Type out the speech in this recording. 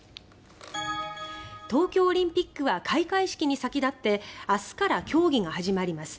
東京オリンピックは開会式に先立って明日から競技が始まります。